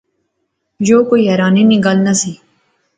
یو کوئی حیرانی نی گل نہسی